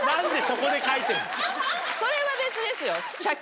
それは別ですよ。